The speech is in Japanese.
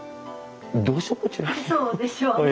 そうでしょうね。